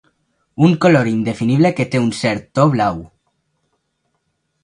Un color indefinible que té un cert to blau.